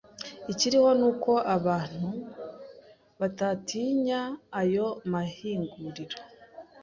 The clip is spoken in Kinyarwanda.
Ikiriho ni uko abantu batotinya ayo mahinguriro